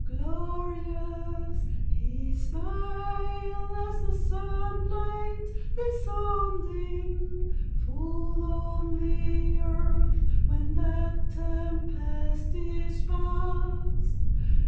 Glorious his smile as the sunlight descending, Full on the earth when that tempest is past!